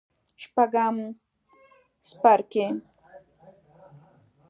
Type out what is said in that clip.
شپږم څپرکی